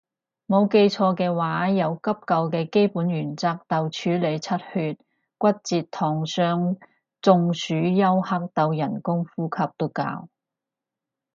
冇記錯嘅話由急救嘅基本原則到處理出血骨折燙傷中暑休克到人工呼吸都教